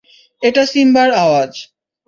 এটা সিম্বার আওয়াজ।